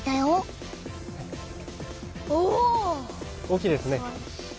大きいですね。